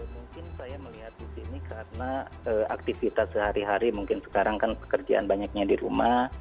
mungkin saya melihat di sini karena aktivitas sehari hari mungkin sekarang kan pekerjaan banyaknya di rumah